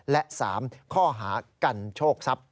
และ๓ข้อหากันโชคทรัพย